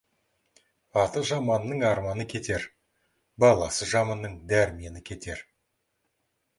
Аты жаманның арманы кетер, баласы жаманның дәрмені кетер.